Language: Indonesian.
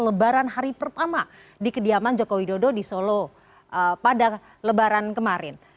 lebaran hari pertama di kediaman joko widodo di solo pada lebaran kemarin